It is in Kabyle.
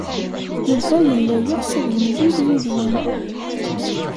Yuba yella yeɣs ad yemlil yid-wen.